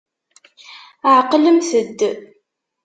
Ɛeqlemt-d.